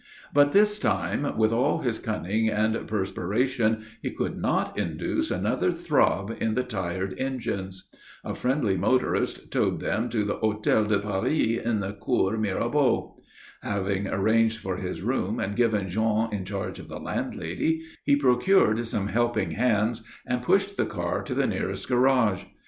But this time, with all his cunning and perspiration, he could not induce another throb in the tired engines. A friendly motorist towed them to the Hôtel de Paris in the Cours Mirabeau. Having arranged for his room and given Jean in charge of the landlady, he procured some helping hands, and pushed the car to the nearest garage.